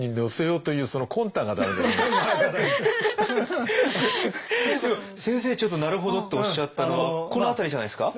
でも先生ちょっと「なるほど」っておっしゃったのはこの辺りじゃないですか。